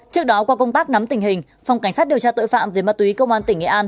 trước đó qua công tác nắm tình hình phòng cảnh sát điều tra tội phạm về ma túy công an tỉnh nghệ an